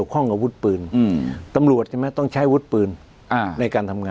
ตั้งแต่ใกล้ชิดอาวุธปืน